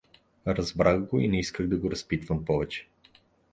Разбрах го и не исках да го разпитвам повече.